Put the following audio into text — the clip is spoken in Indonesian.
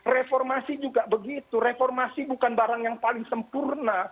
reformasi juga begitu reformasi bukan barang yang paling sempurna